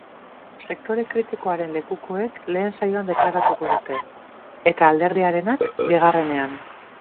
Sektore kritikoaren lekukoek lehen saioan deklaratuko dute, eta alderdiarenak, bigarrenean.